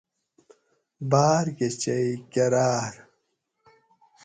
باۤر کہ چئی کراۤ اۤر